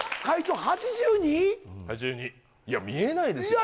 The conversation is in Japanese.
いや見えないですよね